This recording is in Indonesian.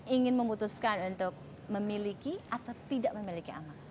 ingin memutuskan untuk memiliki atau tidak memiliki anak